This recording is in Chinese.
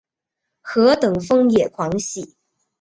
何等疯野狂喜？